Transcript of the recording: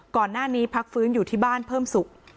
ก่อนหน้านี้พักฟื้นอยู่ที่บ้านเพิ่มสุข